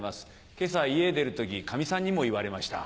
今朝家出る時かみさんにも言われました。